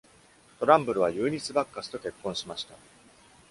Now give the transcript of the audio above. トランブルは Eunice Backus と結婚しました。